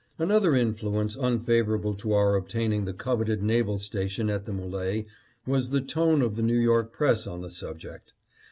" Another influence unfavorable to our obtaining the coveted naval station at the M61e was the tone of the New York press on the subject.